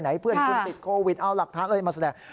ไหนเพื่อให้คุณติดโควิดเอาหลักฐานเลยมาแสดง